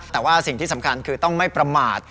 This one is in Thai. แต่ว่าสิ่งที่สำคัญคือต้องไม่ประมาท